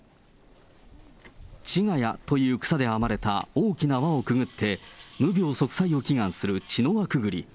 ちがやという草で編まれた大きな輪をくぐって、無病息災を祈願する茅の輪くぐり。